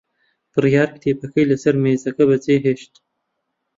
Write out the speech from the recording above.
بڕیار کتێبەکەی لەسەر مێزەکە بەجێهێشت.